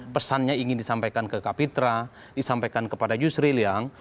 pesannya ingin disampaikan ke kapitra disampaikan kepada yusri liang